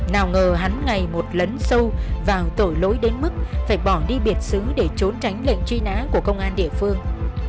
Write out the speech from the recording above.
nào ngờ hắn ngày một lấn sâu vào tội lỗi đến mức phải bỏ đi biệt xứ để trốn tránh lệnh truy nã của công an địa phương